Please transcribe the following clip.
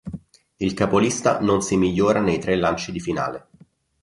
Il capolista non si migliora nei tre lanci di finale.